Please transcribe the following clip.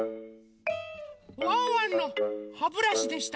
ワンワンのハブラシでした。